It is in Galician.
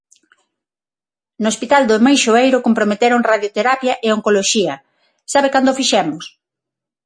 No Hospital do Meixoeiro comprometeron radioterapia e oncoloxía, ¿sabe cando o fixemos?